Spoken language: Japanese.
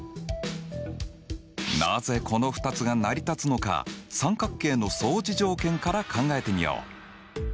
なぜこの２つが成り立つのか三角形の相似条件から考えてみよう。